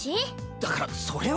だからそれは。